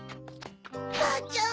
ばあちゃん